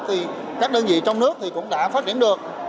thì các đơn vị trong nước thì cũng đã phát triển được